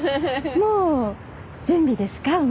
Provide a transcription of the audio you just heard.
もう準備ですか？